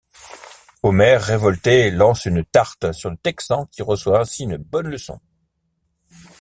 Homer, révolté, lance une tarte sur le Texan qui reçoit ainsi une bonne leçon.